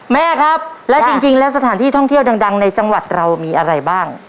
แม่ครับแล้วจริงแล้วสถานที่ท่องเที่ยวดังในจังหวัดเรามีอะไรบ้าง